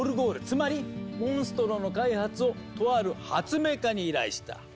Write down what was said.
つまり「モンストロ」の開発をとある発明家に依頼した。